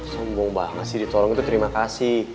sombong banget sih ditolong itu terima kasih